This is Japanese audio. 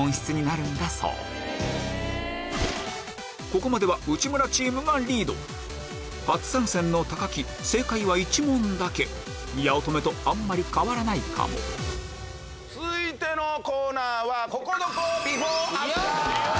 ここまでは内村チームがリード初参戦の木正解は１問だけ八乙女とあんまり変わらないかも続いてのコーナーは。